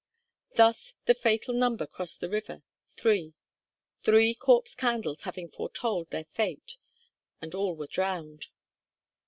Thus the fatal number crossed the river three three Corpse Candles having foretold their fate; and all were drowned.